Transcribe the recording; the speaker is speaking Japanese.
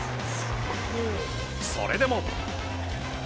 それでも。